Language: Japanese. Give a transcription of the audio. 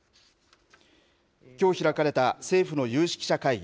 きょう開かれた政府の有識者会議。